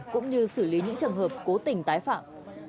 cũng như xử lý những trường hợp cố tình tái phạm